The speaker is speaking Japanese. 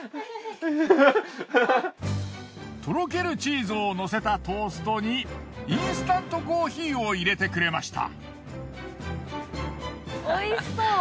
とろけるチーズを乗せたトーストにインスタントコーヒーを入れてくれました。